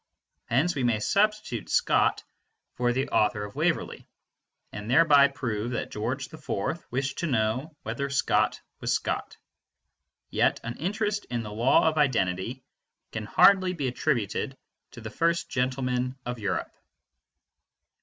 Hence we may substitute Scott for the author of "Waverley," and thereby prove that George IV wished to know whether Scott was Scott. Yet an interest in the law of identity can hardly be attributed to the first gentleman of Europe.